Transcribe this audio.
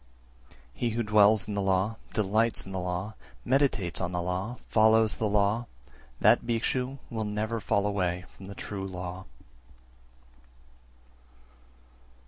364. He who dwells in the law, delights in the law, meditates on the law, follows the law, that Bhikshu will never fall away from the true law.